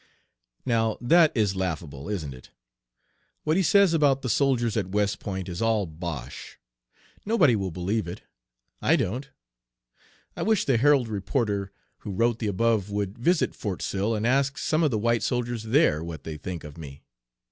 Now that is laughable, isn't it? What he says about the soldiers at West Point is all "bosh." Nobody will believe it. I don't. I wish the Herald reporter who wrote the above would visit Fort Sill and ask some of the white soldiers there what they think of me.